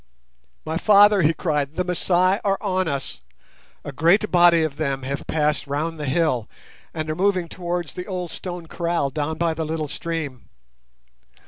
"My father," he cried, "the Masai are on us! A great body of them have passed round the hill and are moving towards the old stone kraal down by the little stream.